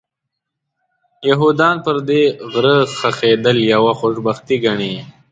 یهودان پر دې غره ښخېدل یوه خوشبختي ګڼي.